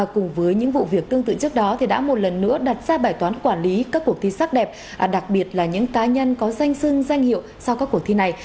cùng với những vụ việc tương tự trước đó đã một lần nữa đặt ra bài toán quản lý các cuộc thi sắc đẹp đặc biệt là những cá nhân có danh sưng danh hiệu sau các cuộc thi này